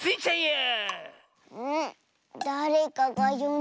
ん？